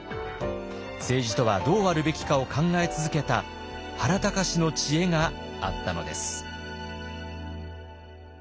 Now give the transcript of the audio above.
政治とはどうあるべきかを考え続けた原敬の知恵があったのです。